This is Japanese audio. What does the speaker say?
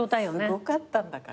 すごかったんだから。